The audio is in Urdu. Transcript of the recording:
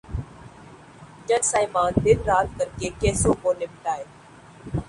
جج صاحبان دن رات کر کے کیسوں کو نمٹائیں۔